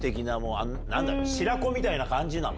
白子みたいな感じなの？